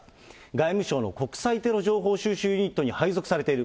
外務省の国際テロ情報収集ユニットに配属されている。